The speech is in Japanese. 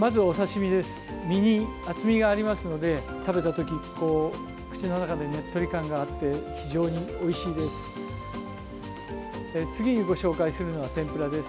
身に厚みがありますので食べた時口の中でねっとり感があって非常においしいです。